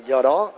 viện kiểm soát